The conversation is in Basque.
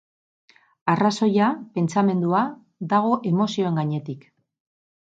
Arrazoia, pentsamendua, dago emozioen gainetik.